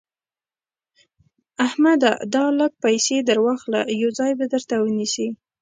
احمده دا لږ پيسې در سره واخله؛ يو ځای به درته ونيسي.